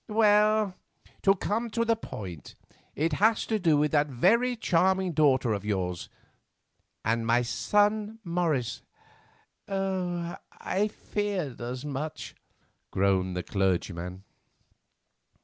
Well, to come to the point, it has to do with that very charming daughter of yours and my son Morris." "I feared as much," groaned the clergyman.